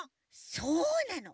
そうなの。